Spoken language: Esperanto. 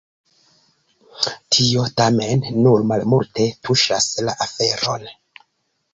Tio tamen nur malmulte tuŝas la aferon.